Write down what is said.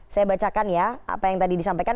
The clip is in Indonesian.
saya bacakan ya apa yang tadi disampaikan